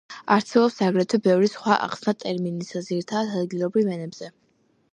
არსებობს აგრეთვე ბევრი სხვა ახსნა ტერმინისა, ძირითადად ადგილობრივ ენებზე.